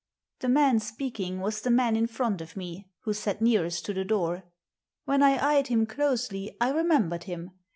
The man speaking was the man in front of me, who sat nearest to the door. When I eyed him closely I remembered him.